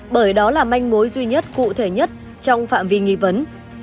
bởi đó là manh mối duy nhất cụ thể nhất trong phạm vi nghi vấn